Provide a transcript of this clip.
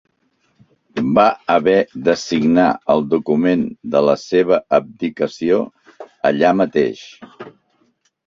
Va haver de signar el document de la seva abdicació allà mateix.